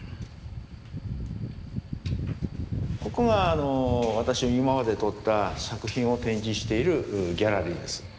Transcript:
ここは私が今まで撮った作品を展示しているギャラリーです。